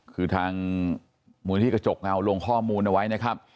คือทางมหิติกระจกเงาลงข้อมูลไว้นะครับ